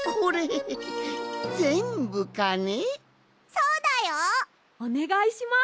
そうだよ！おねがいします！